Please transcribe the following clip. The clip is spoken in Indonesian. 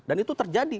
dan itu terjadi